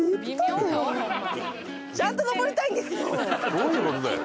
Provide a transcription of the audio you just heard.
どういう事だよ。